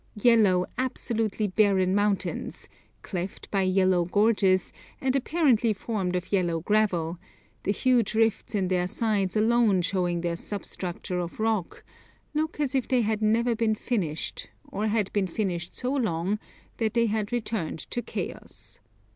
Yellow, absolutely barren mountains, cleft by yellow gorges, and apparently formed of yellow gravel, the huge rifts in their sides alone showing their substructure of rock, look as if they had never been finished, or had been finished so long that they had returned to chaos.